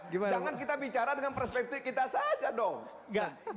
jangan kita bicara dengan perspektif kita saja dong